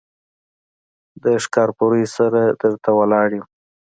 د ښکارپورۍ سره در ته ولاړ يم.